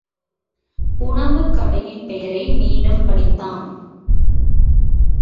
உணவுக் கடையின் பெயரை மீண்டும் படித்தான்.